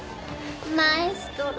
マエストロ。